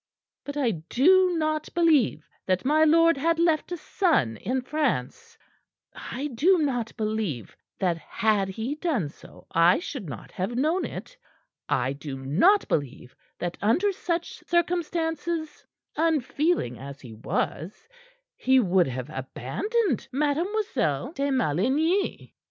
But I do not believe that my lord had left a son in France I do not believe that had he done so, I should not have known it; I do not believe that under such circumstances, unfeeling as he was, he would have abandoned Mademoiselle de Maligny."